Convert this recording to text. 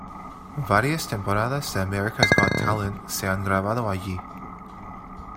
Varias temporadas de America's Got Talent se han grabado allí.